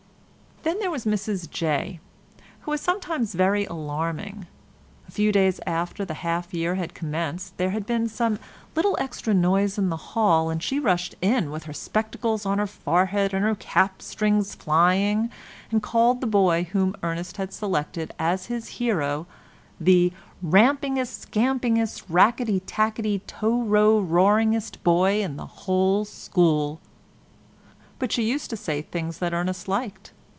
Then there was Mrs Jay, who was sometimes very alarming. A few days after the half year had commenced, there being some little extra noise in the hall, she rushed in with her spectacles on her forehead and her cap strings flying, and called the boy whom Ernest had selected as his hero the "rampingest scampingest rackety tackety tow row roaringest boy in the whole school." But she used to say things that Ernest liked.